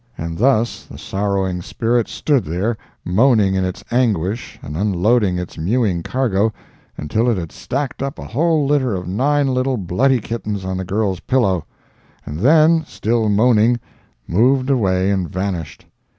And thus the sorrowing spirit stood there, moaning in its anguish and unloading its mewing cargo, until it had stacked up a whole litter of nine little bloody kittens on the girl's pillow, and then, still moaning, moved away and vanished.